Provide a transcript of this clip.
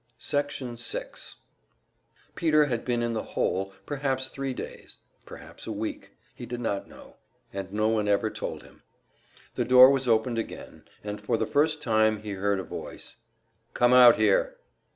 Section 6 Peter had been in the "hole" perhaps three days, perhaps a week he did not know, and no one ever told him. The door was opened again, and for the first time he heard a voice, "Come out here."